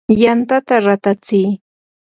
yantata ratatsi.